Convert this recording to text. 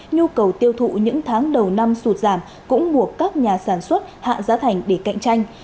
nhu cầu tiêu thụ những tháng đầu năm sụt giảm cũng buộc các nhà sản xuất hạ giá thành để cạnh tranh